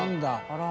あら。